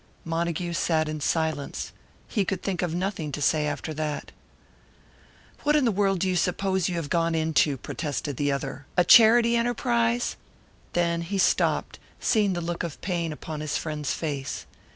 Montague sat in silence he could think of nothing to say after that. "What in the world do you suppose you have gone into?" protested the other. "A charity enterprise?" Then he stopped, seeing the look of pain upon his friend's face.